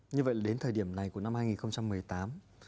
như vậy đến thời điểm này của năm hai nghìn một mươi tám